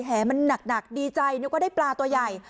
แหมันหนักดีใจนึกว่าได้ปลาตัวใหญ่